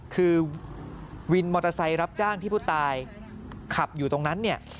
คือวินมอเตอร์ไซค์รับจ้างที่ผู้ตายขับอยู่ตรงนั้นเนี่ย